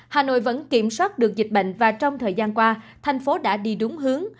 hà nội vẫn kiểm soát được dịch bệnh và trong thời gian qua thành phố đã đi đúng hướng